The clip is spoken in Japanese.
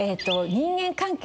人間関係。